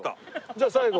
じゃあ最後。